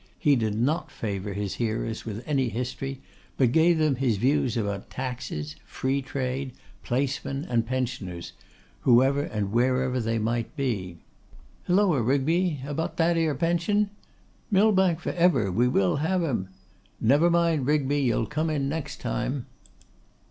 He did not favour his hearers with any history, but gave them his views about taxes, free trade, placemen, and pensioners, whoever and wherever they might be. 'Hilloa, Rigby, about that 'ere pension?' 'Millbank for ever! We will have him.' 'Never mind, Rigby, you'll come in next time.